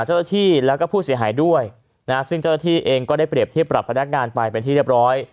เจ้าหน้าที่แล้วก็ผู้เสียหายด้วยนะซึ่งเจ้าหน้าที่เองก็ได้เปรียบเทียบปรับพนักงานไปเป็นที่เรียบร้อย